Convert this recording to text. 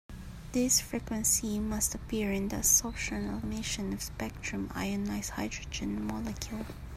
This frequency must appear in the absorption and emission spectrum of ionized hydrogen molecule.